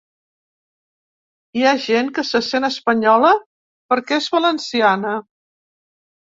Hi ha gent que se sent espanyola perquè és valenciana.